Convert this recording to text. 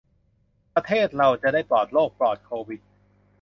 ประเทศเราจะได้ปลอดโรคปลอดโควิด